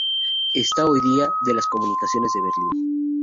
Está hoy día museo de la comunicaciones de Berlín.